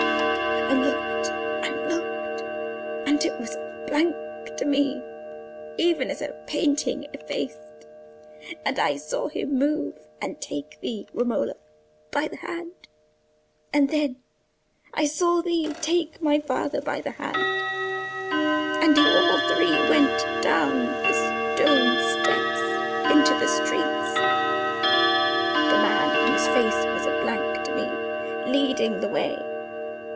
I looked, and looked, and it was a blank to me, even as a painting effaced; and I saw him move and take thee, Romola, by the hand; and then I saw thee take my father by the hand; and you all three went down the stone steps into the streets, the man whose face was a blank to me leading the way.